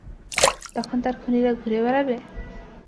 যখন তার খুনীরা ঘুরেবেড়াবে?